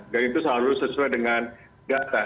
dan itu harus sesuai dengan data